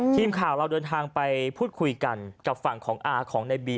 ทีมข่าวเราเดินทางไปพูดคุยกันกับฝั่งของอาของในบี